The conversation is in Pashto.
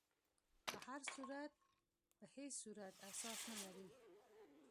په هر صورت په هیڅ صورت اساس نه لري.